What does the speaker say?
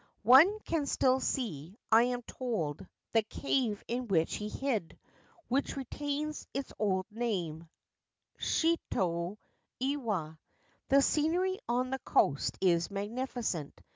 One can still see, I am told, the cave in which he hid, which retains its old name, ' Shitoto iwa.' The scenery on the coast is magnificent.